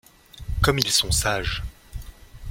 Comme ils sont sages !